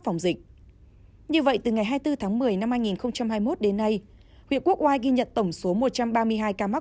phòng dịch như vậy từ ngày hai mươi bốn tháng một mươi năm hai nghìn hai mươi một đến nay huyện quốc oai ghi nhận tổng số một trăm ba mươi hai ca mắc